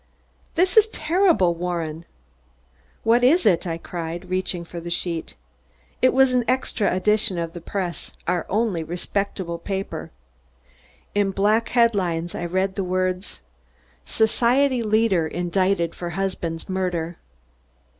"This is terrible, Warren." "What is it?" I cried, reaching for the sheet. It was an extra edition of The Press, our only respectable paper. In black head lines, I read the words: "SOCIETY LEADER INDICTED FOR HUSBAND'S MURDER!"